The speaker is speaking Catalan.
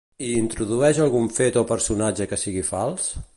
Hi introdueix algun fet o personatge que sigui fals?